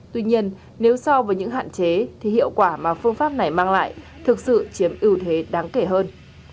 tuy nhiên nếu so với những hạn chế thì hiệu quả mà phương pháp này mang lại thực sự chiếm ưu thế đáng kể hơn